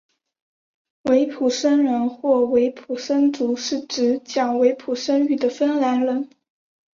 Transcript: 维普森人或维普森族是指讲维普森语的芬兰人。